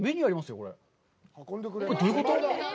これ、どういうこと？